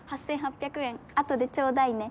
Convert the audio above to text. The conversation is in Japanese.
８８００円後でちょうだいね。